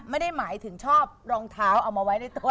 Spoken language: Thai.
ไม่ได้หมายถึงชอบรองเท้าเอามาไว้ในตัว